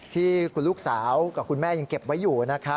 ที่คุณลูกสาวกับคุณแม่ยังเก็บไว้อยู่